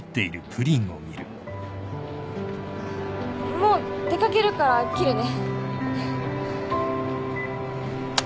もう出掛けるから切るね。